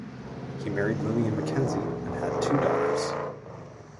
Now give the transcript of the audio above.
He married Lillian Mackenzie and had two daughters.